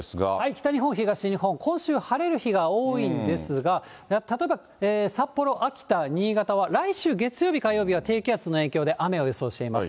北日本、東日本、今週、晴れる日が多いんですが、例えば札幌、秋田、新潟は来週月曜日、火曜日は低気圧の影響で雨を予想しています。